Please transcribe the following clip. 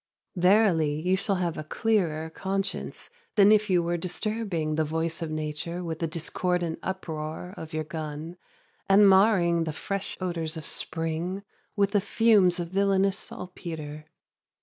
Verily, you shall have a clearer conscience than if you were disturbing the voice of nature with the discordant uproar of your gun, and marring the fresh odors of spring with the fumes of villainous saltpetre.